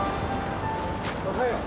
おはよう。